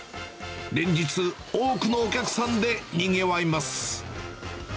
連日、多くのお客さんでにぎわいます。